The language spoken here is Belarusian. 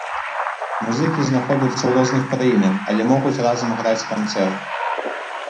Музыкі знаходзяцца ў розных краінах, але могуць разам граць канцэрт.